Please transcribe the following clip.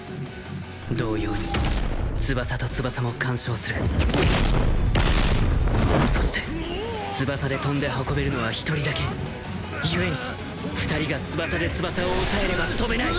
同様に翼と翼も干渉するそして翼で飛んで運べるのは１人だけゆえに２人が翼で翼を押さえれば飛べない！